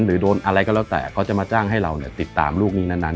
หรือโดนอะไรก็แล้วแต่เขาจะมาจ้างให้เราเนี่ยติดตามลูกนี้นั้น